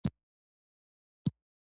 پخوانو فهم چاپېریال شرایطو سره سمون لري.